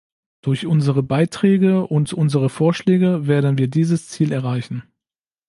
Durch unsere Beiträge und unsere Vorschläge werden wir dieses Ziel erreichen.